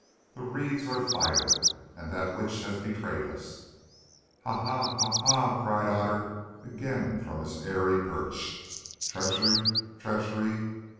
"The reeds are fired, and that witch has betrayed us." "Ha! ha! ha! ha!" cried Otter again from his airy perch. "Treachery! treachery!